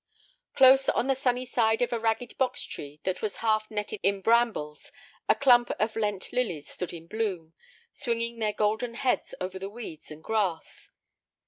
Close on the sunny side of a ragged box tree that was half netted in brambles a clump of Lent lilies stood in bloom, swinging their golden heads over the weeds and grass.